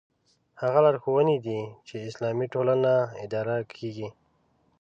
هغه لارښوونې دي چې اسلامي ټولنه اداره کېږي.